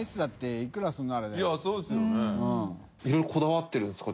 いろいろこだわってるんですか？